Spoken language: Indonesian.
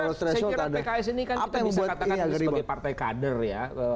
saya kira pks ini kan kita bisa katakan sebagai partai kader ya